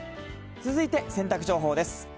続いて、洗濯情報です。